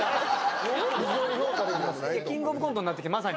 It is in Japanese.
キングオブコントになってまさに。